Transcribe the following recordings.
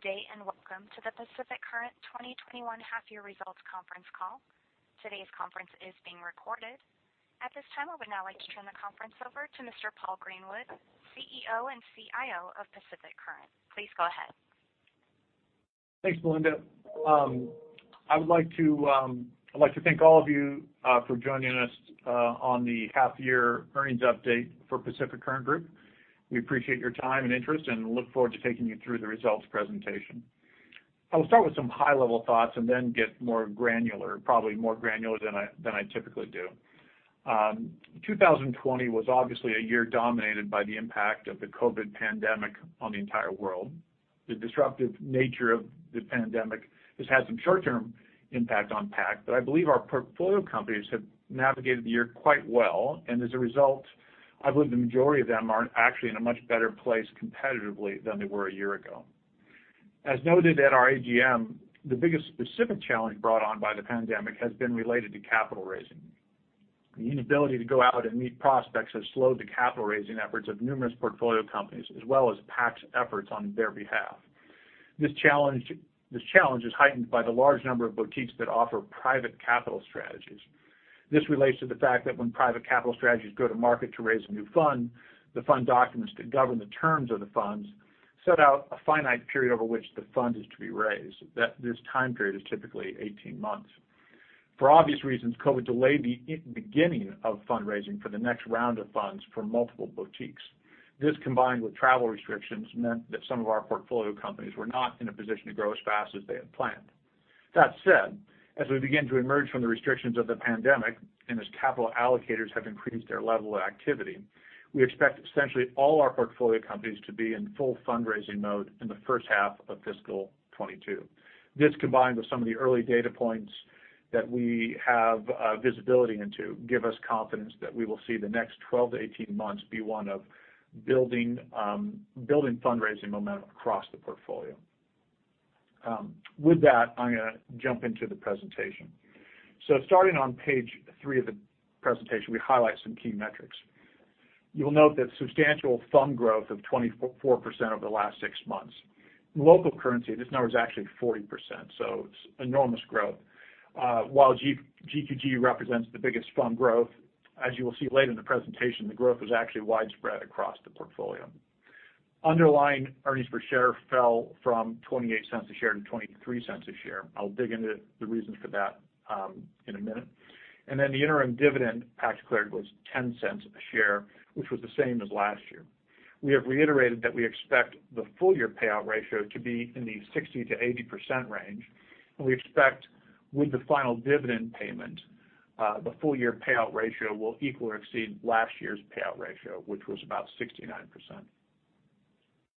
Good day. Welcome to the Pacific Current 2021 Half Year Results Conference Call. Today's conference is being recorded. At this time, I would now like to turn the conference over to Mr. Paul Greenwood, CEO and CIO of Pacific Current. Please go ahead. Thanks, Belinda. I'd like to thank all of you for joining us on the half year earnings update for Pacific Current Group. We appreciate your time and interest, and look forward to taking you through the results presentation. I will start with some high-level thoughts and then get more granular, probably more granular than I typically do. 2020 was obviously a year dominated by the impact of the COVID pandemic on the entire world. The disruptive nature of the pandemic has had some short-term impact on PAC, but I believe our portfolio companies have navigated the year quite well, and as a result, I believe the majority of them are actually in a much better place competitively than they were a year ago. As noted at our AGM, the biggest specific challenge brought on by the pandemic has been related to capital raising. The inability to go out and meet prospects has slowed the capital-raising efforts of numerous portfolio companies, as well as PAC's efforts on their behalf. This challenge is heightened by the large number of boutiques that offer private capital strategies. This relates to the fact that when private capital strategies go to market to raise a new fund, the fund documents that govern the terms of the funds set out a finite period over which the fund is to be raised. This time period is typically 18 months. For obvious reasons, COVID delayed the beginning of fundraising for the next round of funds for multiple boutiques. This, combined with travel restrictions, meant that some of our portfolio companies were not in a position to grow as fast as they had planned. That said, as we begin to emerge from the restrictions of the pandemic, as capital allocators have increased their level of activity, we expect essentially all our portfolio companies to be in full fundraising mode in the first half of fiscal 2022. This, combined with some of the early data points that we have visibility into, give us confidence that we will see the next 12-18 months be one of building fundraising momentum across the portfolio. With that, I'm going to jump into the presentation. Starting on page three of the presentation, we highlight some key metrics. You will note that substantial fund growth of 24% over the last six months. In local currency, this number is actually 40%, it's enormous growth. While GQG represents the biggest fund growth, as you will see later in the presentation, the growth was actually widespread across the portfolio. Underlying earnings per share fell from 0.28 a share to 0.23 a share. I'll dig into the reasons for that in a minute. The interim dividend PAC declared was 0.10 a share, which was the same as last year. We have reiterated that we expect the full-year payout ratio to be in the 60%-80% range. We expect with the final dividend payment, the full-year payout ratio will equal or exceed last year's payout ratio, which was about 69%.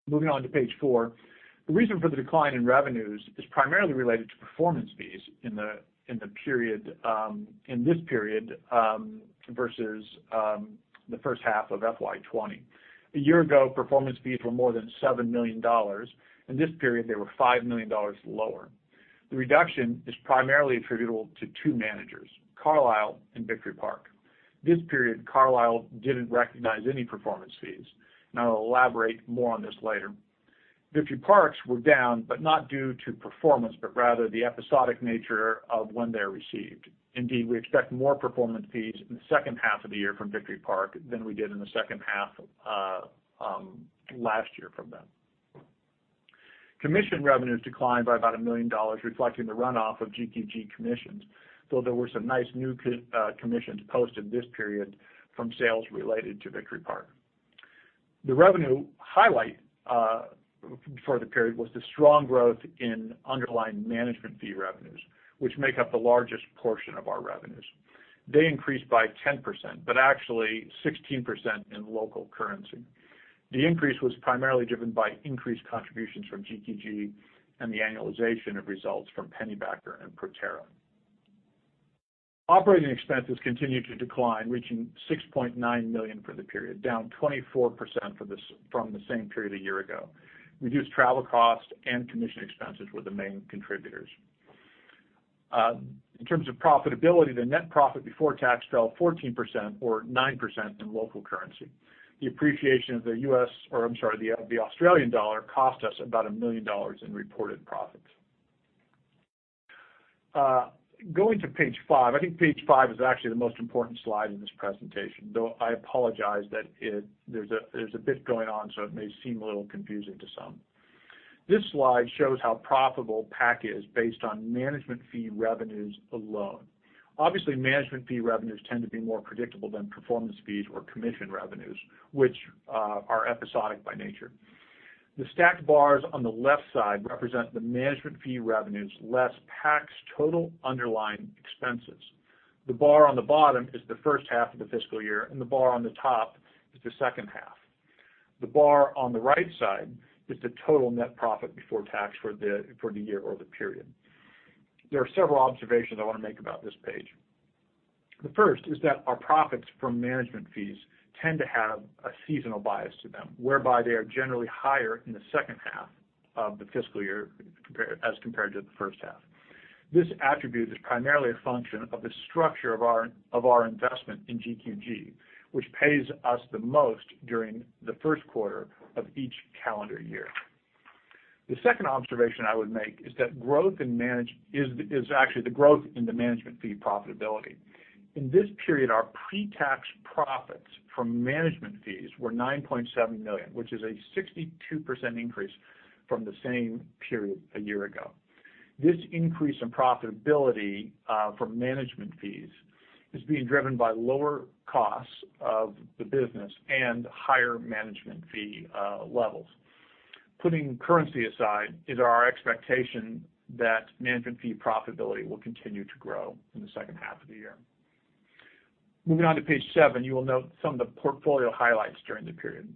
Moving on to page four. The reason for the decline in revenues is primarily related to performance fees in this period versus the first half of FY 2020. A year ago, performance fees were more than 7 million dollars. In this period, they were 5 million dollars lower. The reduction is primarily attributable to two managers, Carlisle and Victory Park. This period, Carlisle didn't recognize any performance fees, and I'll elaborate more on this later. Victory Park's were down, but not due to performance, but rather the episodic nature of when they're received. Indeed, we expect more performance fees in the second half of the year from Victory Park than we did in the second half last year from them. Commission revenues declined by about 1 million dollars, reflecting the runoff of GQG commissions, though there were some nice new commissions posted this period from sales related to Victory Park. The revenue highlight for the period was the strong growth in underlying management fee revenues, which make up the largest portion of our revenues. They increased by 10%, but actually 16% in local currency. The increase was primarily driven by increased contributions from GQG and the annualization of results from Pennybacker and Proterra. Operating expenses continued to decline, reaching 6.9 million for the period, down 24% from the same period a year ago. Reduced travel costs and commission expenses were the main contributors. In terms of profitability, the net profit before tax fell 14%, or 9% in local currency. The appreciation of the Australian dollar cost us about 1 million dollars in reported profits. Going to page five. I think page five is actually the most important slide in this presentation, though I apologize that there's a bit going on, so it may seem a little confusing to some. This slide shows how profitable PAC is based on management fee revenues alone. Obviously, management fee revenues tend to be more predictable than performance fees or commission revenues, which are episodic by nature. The stacked bars on the left side represent the management fee revenues, less PAC's total underlying expenses. The bar on the bottom is the first half of the fiscal year, and the bar on the top is the second half. The bar on the right side is the total net profit before tax for the year or the period. There are several observations I want to make about this page. The first is that our profits from management fees tend to have a seasonal bias to them, whereby they are generally higher in the second half of the fiscal year as compared to the first half. This attribute is primarily a function of the structure of our investment in GQG, which pays us the most during the first quarter of each calendar year. The second observation I would make is actually the growth in the management fee profitability. In this period, our pre-tax profits from management fees were 9.7 million, which is a 62% increase from the same period a year ago. This increase in profitability from management fees is being driven by lower costs of the business and higher management fee levels. Putting currency aside, it is our expectation that management fee profitability will continue to grow in the second half of the year. Moving on to page seven, you will note some of the portfolio highlights during the period.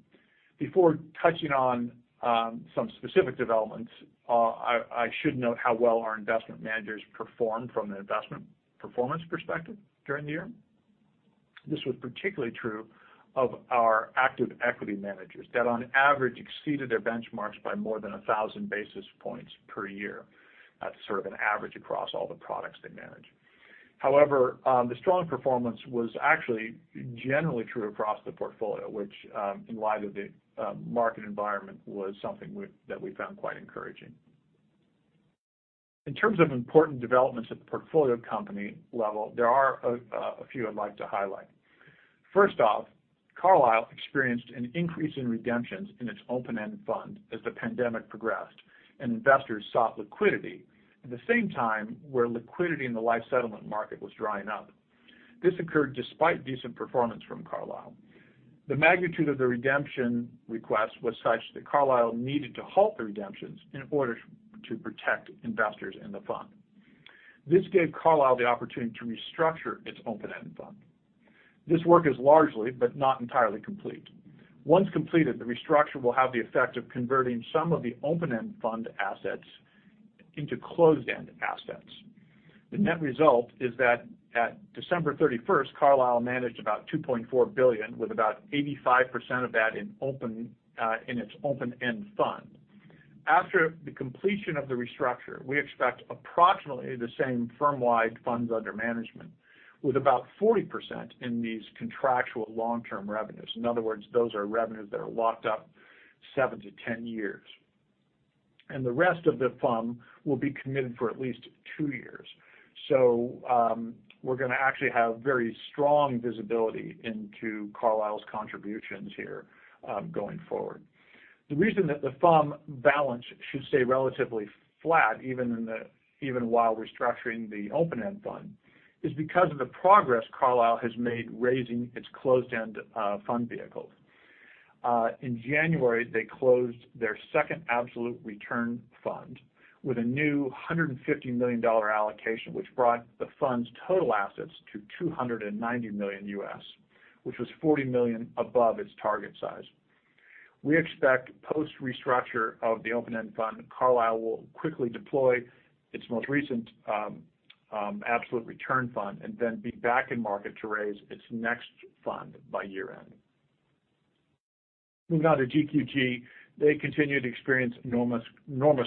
Before touching on some specific developments, I should note how well our investment managers performed from an investment performance perspective during the year. This was particularly true of our active equity managers that on average exceeded their benchmarks by more than 1,000 basis points per year. That's sort of an average across all the products they manage. However, the strong performance was actually generally true across the portfolio, which in light of the market environment, was something that we found quite encouraging. In terms of important developments at the portfolio company level, there are a few I'd like to highlight. First off, Carlisle experienced an increase in redemptions in its open-end fund as the pandemic progressed and investors sought liquidity at the same time where liquidity in the life settlement market was drying up. This occurred despite decent performance from Carlisle. The magnitude of the redemption request was such that Carlisle needed to halt the redemptions in order to protect investors in the fund. This gave Carlisle the opportunity to restructure its open-end fund. This work is largely, but not entirely complete. Once completed, the restructure will have the effect of converting some of the open-end fund assets into closed-end assets. The net result is that at December 31st, Carlisle managed about 2.4 billion, with about 85% of that in its open-end fund. After the completion of the restructure, we expect approximately the same firm-wide funds under management, with about 40% in these contractual long-term revenues. In other words, those are revenues that are locked up 7-10 years. The rest of the FUM will be committed for at least two years. We're going to actually have very strong visibility into Carlisle's contributions here going forward. The reason that the FUM balance should stay relatively flat, even while restructuring the open-end fund, is because of the progress Carlisle has made raising its closed-end fund vehicles. In January, they closed their second absolute return fund with a new 150 million dollar allocation, which brought the fund's total assets to $290 million, which was 40 million above its target size. We expect post-restructure of the open-end fund, Carlisle will quickly deploy its most recent absolute return fund and then be back in market to raise its next fund by year-end. Moving on to GQG. They continued to experience enormous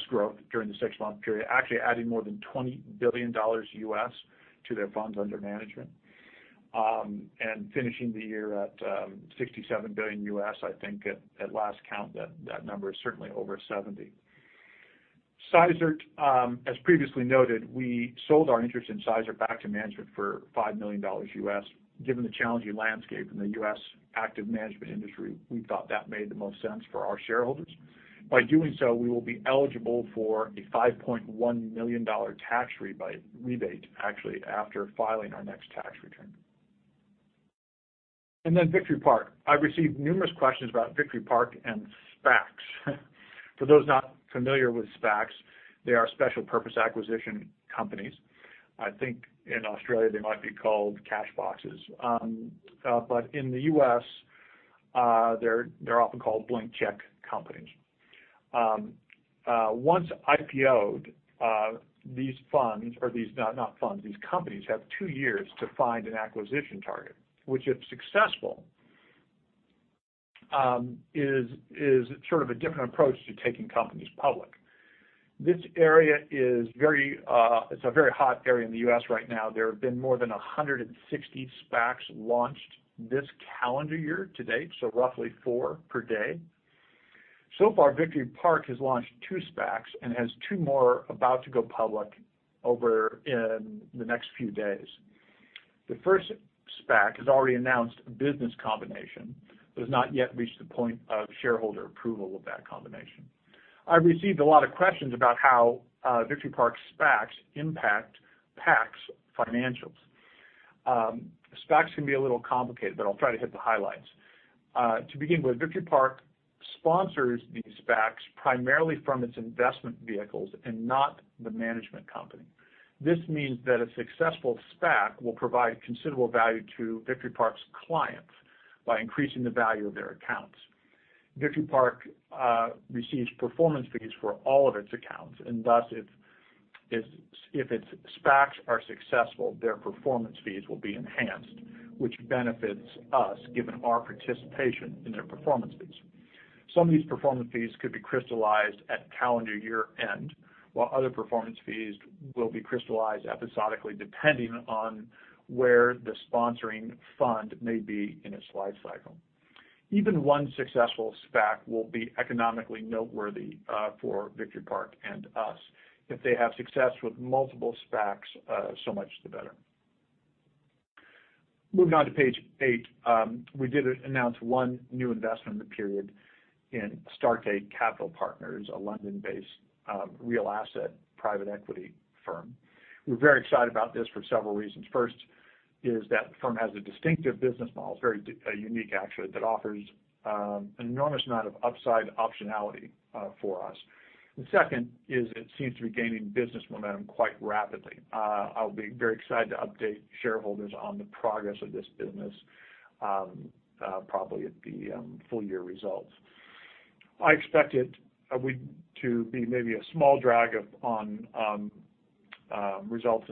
growth during the six-month period, actually adding more than $20 billion to their funds under management, and finishing the year at $67 billion. I think at last count, that number is certainly over 70. Seizert. As previously noted, we sold our interest in Seizert back to management for $5 million. Given the challenging landscape in the U.S. active management industry, we thought that made the most sense for our shareholders. By doing so, we will be eligible for a $5.1 million tax rebate, actually, after filing our next tax return. Victory Park. I've received numerous questions about Victory Park and SPACs. For those not familiar with SPACs, they are special purpose acquisition companies. I think in Australia they might be called cash boxes. In the U.S. they're often called blank check companies. Once IPO'd, these companies have two years to find an acquisition target, which if successful, is sort of a different approach to taking companies public. This area is a very hot area in the U.S. right now. There have been more than 160 SPACs launched this calendar year to date, roughly four per day. So far, Victory Park has launched two SPACs and has two more about to go public over in the next few days. The first SPAC has already announced a business combination, but has not yet reached the point of shareholder approval of that combination. I've received a lot of questions about how Victory Park SPACs impact PAC's financials. SPACs can be a little complicated, but I'll try to hit the highlights. To begin with, Victory Park sponsors these SPACs primarily from its investment vehicles and not the management company. This means that a successful SPAC will provide considerable value to Victory Park's clients by increasing the value of their accounts. Victory Park receives performance fees for all of its accounts, and thus, if its SPACs are successful, their performance fees will be enhanced, which benefits us given our participation in their performance fees. Some of these performance fees could be crystallized at calendar year-end, while other performance fees will be crystallized episodically, depending on where the sponsoring fund may be in its life cycle. Even one successful SPAC will be economically noteworthy for Victory Park and us. If they have success with multiple SPACs, so much the better. Moving on to page eight. We did announce one new investment in the period in Astarte Capital Partners, a London-based real asset private equity firm. We're very excited about this for several reasons. First is that the firm has a distinctive business model, it's very unique actually, that offers an enormous amount of upside optionality for us. The second is it seems to be gaining business momentum quite rapidly. I'll be very excited to update shareholders on the progress of this business, probably at the full-year results. I expect it to be maybe a small drag upon results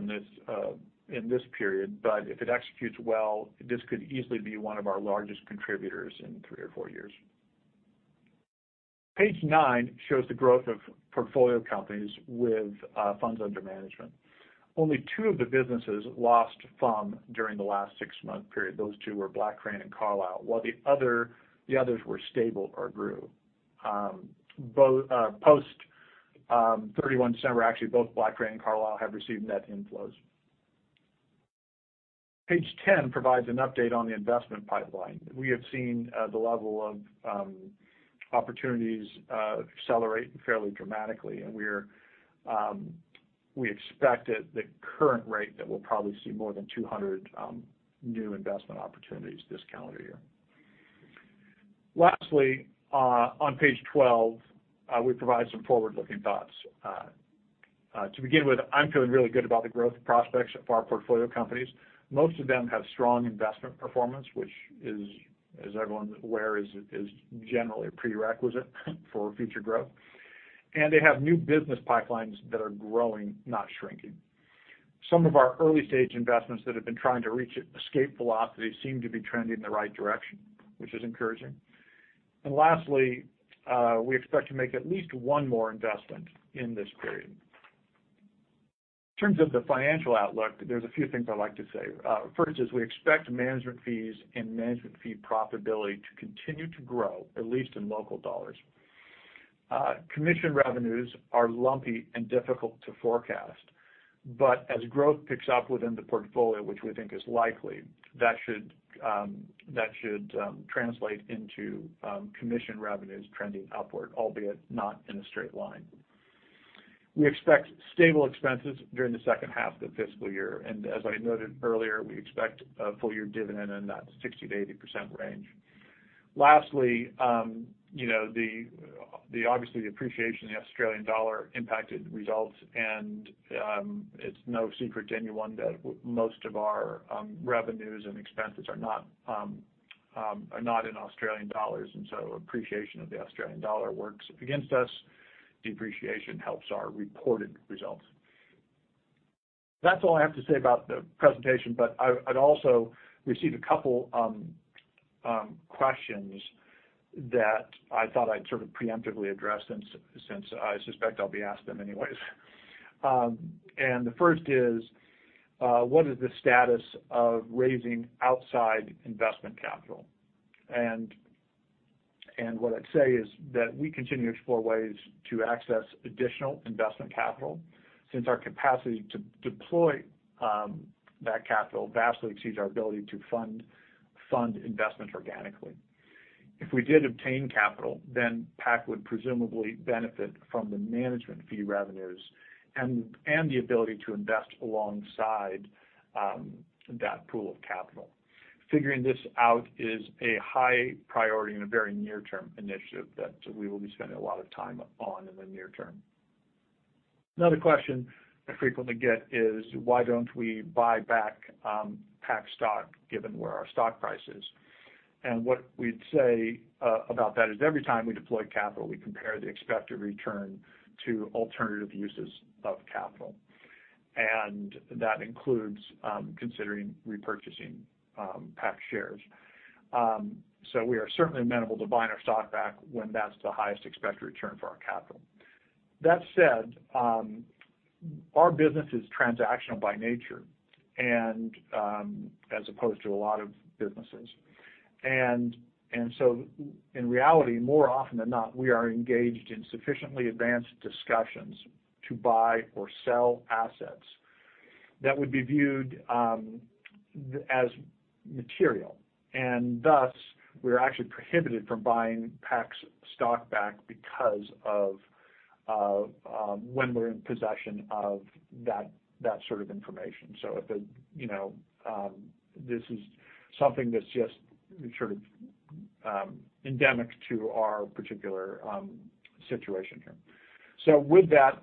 in this period, but if it executes well, this could easily be one of our largest contributors in three or four years. Page nine shows the growth of portfolio companies with funds under management. Only two of the businesses lost FUM during the last six-month period. Those two were Black Crane and Carlisle, while the others were stable or grew. Post 31 December, actually, both Black Crane and Carlisle have received net inflows. Page 10 provides an update on the investment pipeline. We have seen the level of opportunities accelerate fairly dramatically, and we expect at the current rate that we'll probably see more than 200 new investment opportunities this calendar year. Lastly, on page 12, we provide some forward-looking thoughts. To begin with, I'm feeling really good about the growth prospects for our portfolio companies. Most of them have strong investment performance, which as everyone is aware, is generally a prerequisite for future growth. They have new business pipelines that are growing, not shrinking. Some of our early-stage investments that have been trying to reach escape velocity seem to be trending in the right direction, which is encouraging. Lastly, we expect to make at least one more investment in this period. In terms of the financial outlook, there's a few things I'd like to say. First is we expect management fees and management fee profitability to continue to grow, at least in local dollars. Commission revenues are lumpy and difficult to forecast. As growth picks up within the portfolio, which we think is likely, that should translate into commission revenues trending upward, albeit not in a straight line. We expect stable expenses during the second half of the fiscal year. As I noted earlier, we expect a full-year dividend in that 60%-80% range. Lastly, obviously, the appreciation of the Australian dollar impacted results. It's no secret to anyone that most of our revenues and expenses are not in Australian dollars. Appreciation of the Australian dollar works against us. Depreciation helps our reported results. That's all I have to say about the presentation, but I'd also received a couple questions that I thought I'd sort of preemptively address since I suspect I'll be asked them anyways. The first is: what is the status of raising outside investment capital? What I'd say is that we continue to explore ways to access additional investment capital, since our capacity to deploy that capital vastly exceeds our ability to fund investments organically. If we did obtain capital, then PAC would presumably benefit from the management fee revenues and the ability to invest alongside that pool of capital. Figuring this out is a high priority and a very near-term initiative that we will be spending a lot of time on in the near term. Another question I frequently get is why don't we buy back PAC stock given where our stock price is? What we'd say about that is every time we deploy capital, we compare the expected return to alternative uses of capital. That includes considering repurchasing PAC shares. We are certainly amenable to buying our stock back when that's the highest expected return for our capital. That said, our business is transactional by nature, and as opposed to a lot of businesses. In reality, more often than not, we are engaged in sufficiently advanced discussions to buy or sell assets that would be viewed as material. Thus, we're actually prohibited from buying PAC's stock back because of when we're in possession of that sort of information. This is something that's just sort of endemic to our particular situation here. With that,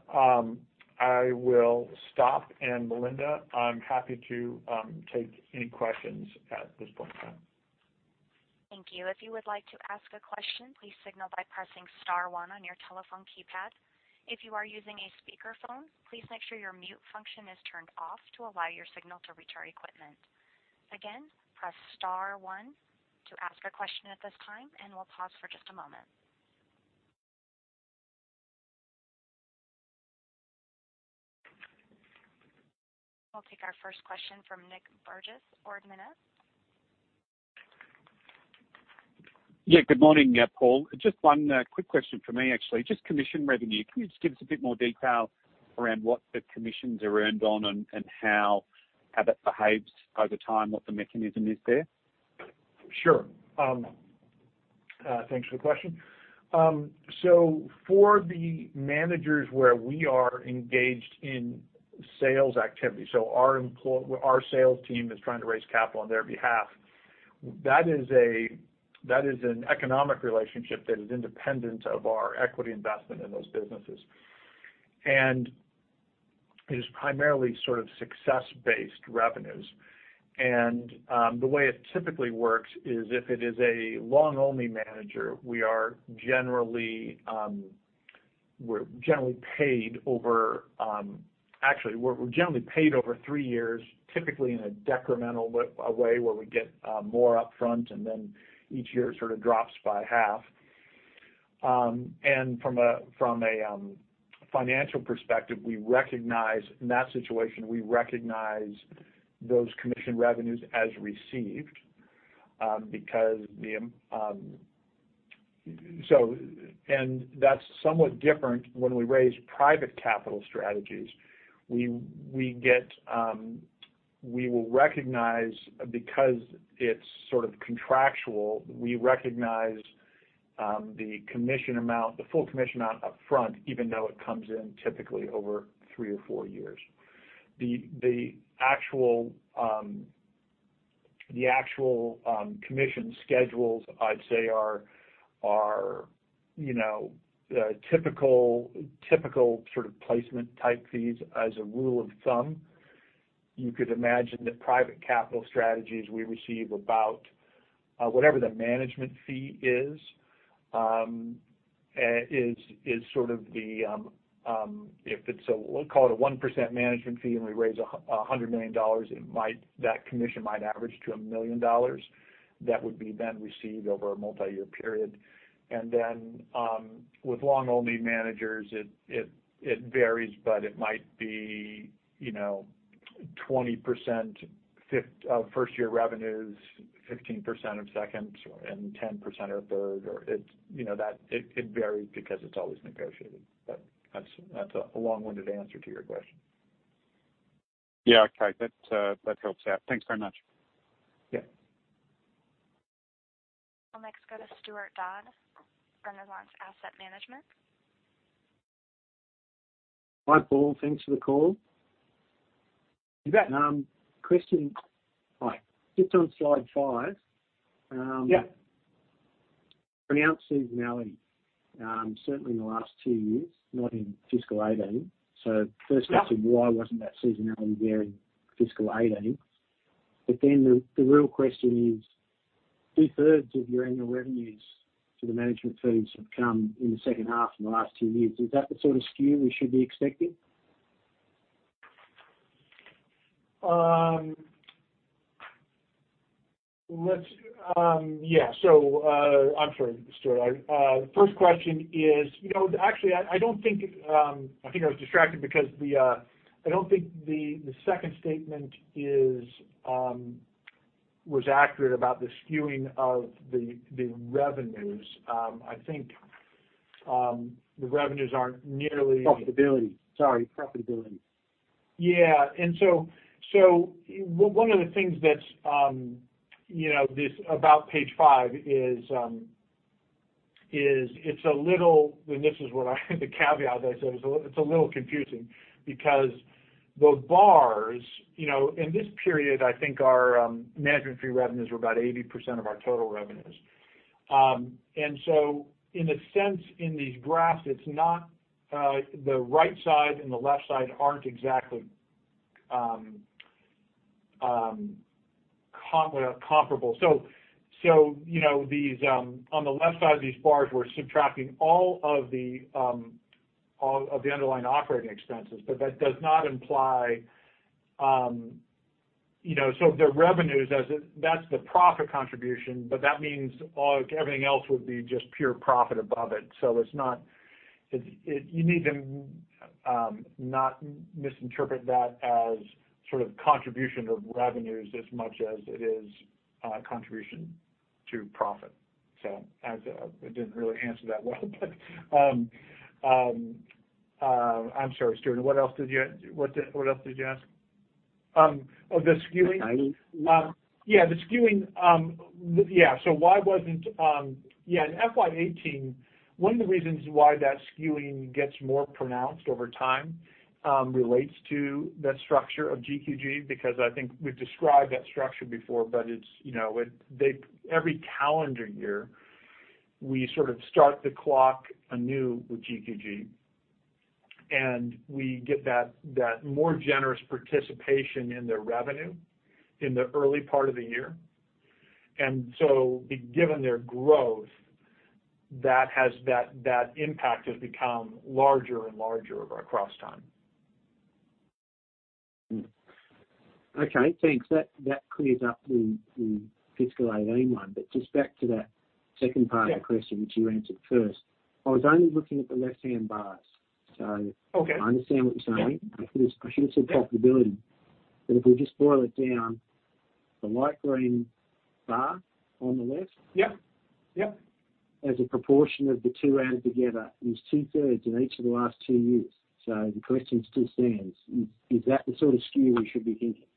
I will stop. Belinda, I'm happy to take any questions at this point in time. Thank you. If you would like to ask a question, please signal by pressing star one on your telephone keypad. If you are using a speakerphone, please make sure your mute function is turned off to allow your signal to reach our equipment. Again, press star one to ask a question at this time, and we'll pause for just a moment. We'll take our first question from Nic Burgess, Ord Minnett. Good morning, Paul. Just one quick question from me, actually. Just commission revenue. Can you just give us a bit more detail around what the commissions are earned on and how that behaves over time, what the mechanism is there? Sure. Thanks for the question. For the managers where we are engaged in sales activity. Our sales team is trying to raise capital on their behalf. That is an economic relationship that is independent of our equity investment in those businesses. It is primarily sort of success-based revenues. The way it typically works is if it is a long-only manager, we're generally paid over three years, typically in a decremental way, where we get more upfront and then each year it sort of drops by half. From a financial perspective, in that situation, we recognize those commission revenues as received. That's somewhat different when we raise private capital strategies. Because it's sort of contractual, we recognize the full commission amount up front, even though it comes in typically over three or four years. The actual commission schedules, I'd say, are typical sort of placement-type fees as a rule of thumb. You could imagine that private capital strategies we receive about whatever the management fee is. If it's, we'll call it a 1% management fee, and we raise 100 million dollars, that commission might average to 1 million dollars. That would be then received over a multi-year period. With long-only managers, it varies, but it might be 20% of first-year revenues, 15% of second and 10% of third. It varies because it's always negotiated. That's a long-winded answer to your question. Yeah. Okay. That helps out. Thanks very much. Yeah. I'll next go to Stuart Dodd, Renaissance Asset Management. Hi, Paul. Thanks for the call. You bet. Question. Just on slide five. Yeah. Pronounced seasonality, certainly in the last two years, not in fiscal 2018. First question, why wasn't that seasonality there in fiscal 2018? The real question is, 2/3 of your annual revenues for the management fees have come in the second half in the last two years. Is that the sort of skew we should be expecting? Yeah. I'm sorry, Stuart. The first question is. I think I was distracted. I don't think the second statement was accurate about the skewing of the revenues. I think the revenues aren't nearly. Profitability. Sorry. Profitability. Yeah. One of the things about page five is it's a little, and this is the caveat that I said, it's a little confusing because the bars, in this period, I think our management fee revenues were about 80% of our total revenues. In a sense, in these graphs, the right side and the left side aren't exactly comparable. On the left side of these bars, we're subtracting all of the underlying operating expenses. The revenues, that's the profit contribution, that means everything else would be just pure profit above it. You need to not misinterpret that as sort of contribution of revenues as much as it is contribution to profit. I didn't really answer that well. I'm sorry, Stuart, what else did you ask? Of the skewing? Timing. Yeah. In FY 2018, one of the reasons why that skewing gets more pronounced over time relates to the structure of GQG, because I think we've described that structure before. Every calendar year, we sort of start the clock anew with GQG. And we get that more generous participation in their revenue in the early part of the year. Given their growth, that impact has become larger and larger across time. Okay, thanks. That clears up the fiscal 2018 one. Just back to that second part of the question which you answered first. I was only looking at the left-hand bars. Okay. I understand what you're saying. Yeah. I should have said profitability. If we just boil it down, the light green bar on the left. Yep. As a proportion of the two added together is 2/3 in each of the last two years. The question still stands. Is that the sort of skew we should be thinking?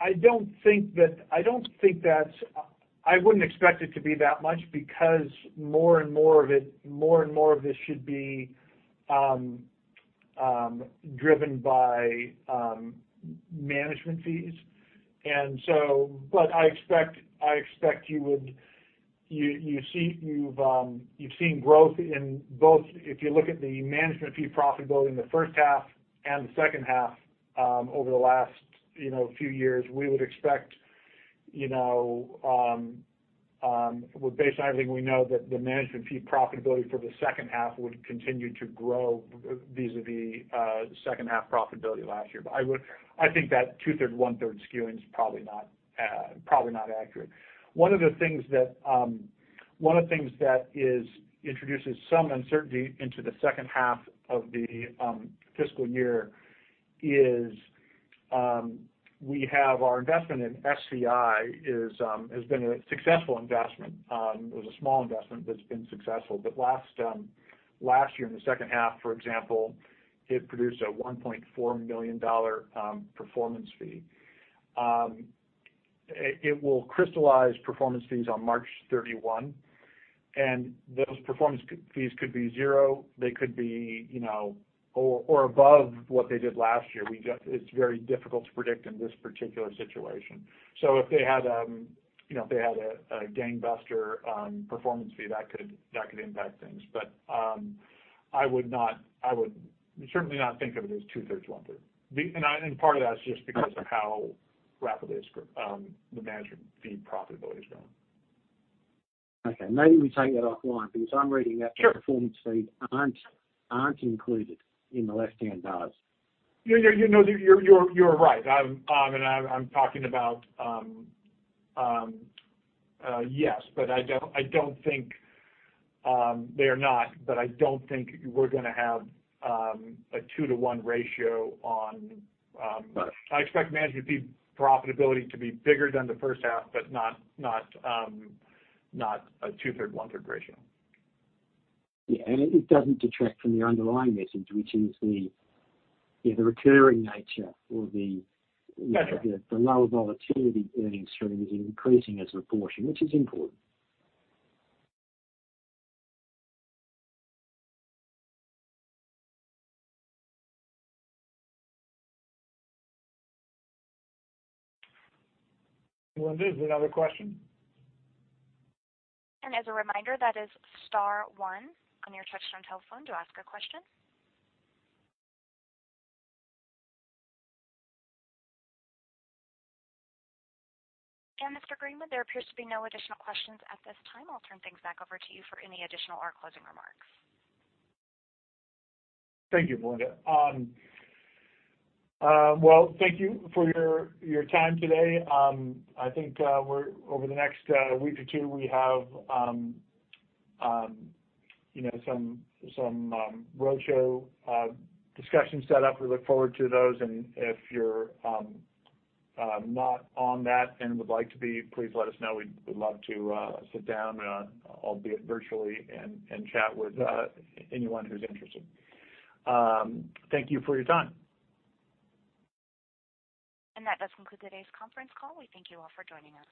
I wouldn't expect it to be that much because more and more of this should be driven by management fees. I expect you've seen growth in both. If you look at the management fee profitability in the first half and the second half, over the last few years, based on everything we know, that the management fee profitability for the second half would continue to grow vis-a-vis the second half profitability last year. I think that 2/3, 1/3 skewing is probably not accurate. One of the things that introduces some uncertainty into the second half of the fiscal year is we have our investment in SCI, has been a successful investment. It was a small investment that's been successful. Last year in the second half, for example, it produced an 1.4 million dollar performance fee. It will crystallize performance fees on March 31. Those performance fees could be zero. They could be above what they did last year. It's very difficult to predict in this particular situation. If they had a gangbuster performance fee, that could impact things. I would certainly not think of it as 2/3, 1/3. Part of that is just because of how rapidly the management fee profitability is growing. Okay. Maybe we take that offline because I'm reading that. Sure. Performance fees aren't included in the left-hand bars. You're right. I'm talking about, yes, they are not, but I don't think we're going to have a 2-to-1 ratio on. Right. I expect management fee profitability to be bigger than the first half, but not a 2/3, 1/3 ratio. Yeah. It doesn't detract from the underlying message, which is the recurring nature. Got you. Lower volatility earning stream is increasing as a proportion, which is important. Belinda, is there another question? As a reminder, that is star one on your touch-tone telephone to ask a question. Mr. Greenwood, there appears to be no additional questions at this time. I'll turn things back over to you for any additional or closing remarks. Thank you, Belinda. Well, thank you for your time today. I think over the next week or two, we have some roadshow discussions set up. We look forward to those. If you're not on that and would like to be, please let us know. We'd love to sit down, albeit virtually, and chat with anyone who's interested. Thank you for your time. That does conclude today's conference call. We thank you all for joining us.